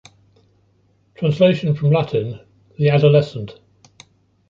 Translation from Latin: “the adolescent”.